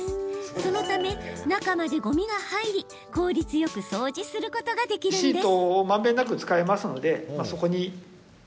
そのため、中までごみが入り効率よく掃除することができるんです。